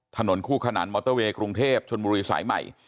ถนนคู่ขนานมอเตอร์เวย์กรุงเทพชนบุรีสายใหม่